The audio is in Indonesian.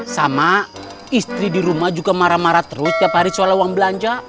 sama istri di rumah juga marah marah terus tiap hari soal uang belanja